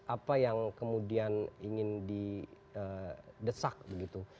apa yang kemudian ingin didesak begitu